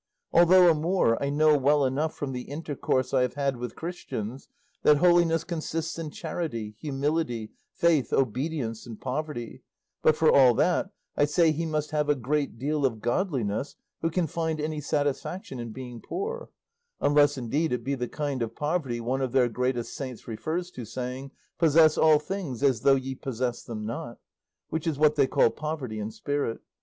Although a Moor, I know well enough from the intercourse I have had with Christians that holiness consists in charity, humility, faith, obedience, and poverty; but for all that, I say he must have a great deal of godliness who can find any satisfaction in being poor; unless, indeed, it be the kind of poverty one of their greatest saints refers to, saying, 'possess all things as though ye possessed them not;' which is what they call poverty in spirit.